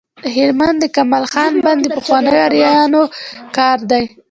د هلمند د کمال خان بند د پخوانیو آرینو کار دی